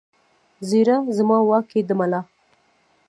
ږیره زما واک یې د ملا!